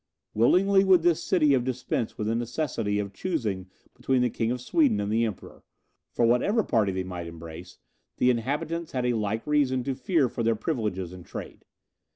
Willingly would this city have dispensed with the necessity of choosing between the King of Sweden and the Emperor; for, whatever party they might embrace, the inhabitants had a like reason to fear for their privileges and trade.